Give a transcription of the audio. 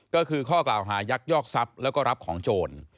ก็คือข้อกล่าวหายักยอกทรัพย์แล้วก็รับของโจร